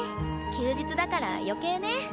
休日だから余計ね。